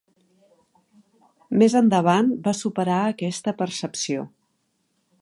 Més endavant va superar aquesta percepció.